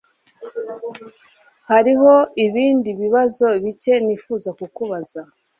Hariho ibindi bibazo bike nifuza kukubaza.